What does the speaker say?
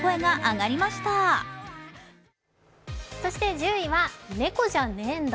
１０位は猫じゃねえんだ。